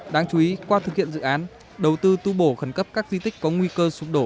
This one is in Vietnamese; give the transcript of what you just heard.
đáng chú ý qua thực hiện dự án đầu tư tu bổ khẩn cấp các di tích có nguy cơ sụp đổ